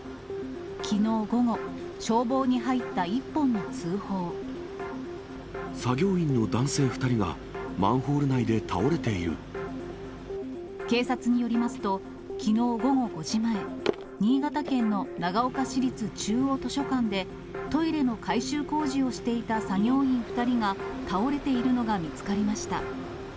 きのう午後、作業員の男性２人が、マンホ警察によりますと、きのう午後５時前、新潟県の長岡市立中央図書館で、トイレの改修工事をしていた作業員２人が、倒れているのが見つかりました。